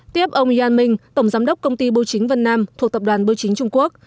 tiếp ông yann minh tổng giám đốc công ty bưu chính vân nam thuộc tập đoàn bưu chính trung quốc